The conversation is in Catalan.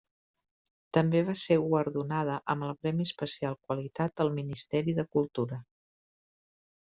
També va ser guardonada amb el Premi Especial Qualitat del Ministeri de Cultura.